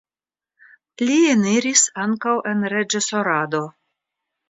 Li eniris ankaŭ en reĝisorado.